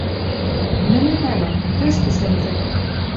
Нӹнӹ пӓлӓт: тӹштӹ шӹнзӓ